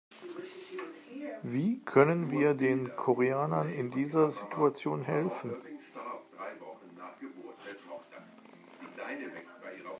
Wie können wir den Koreanern in dieser Situation helfen?